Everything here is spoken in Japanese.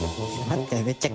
待って！